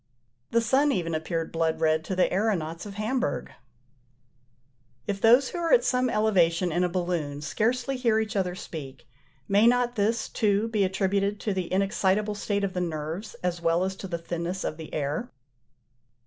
The sun even appeared blood red to the aëronauts of Hamburgh. If those who are at some elevation in a balloon scarcely hear each other speak, may not this, too, be attributed to the inexcitable state of the nerves as well as to the thinness of the air?